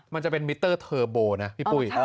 มันจะเป็นมิเตอร์เทอร์โบนะพี่ปุ้ย